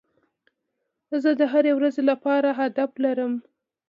زه د هري ورځي لپاره هدف لرم.